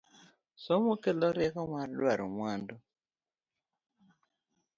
Somo kelo rieko mar duaro mwandu